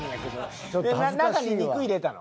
中に肉入れたの？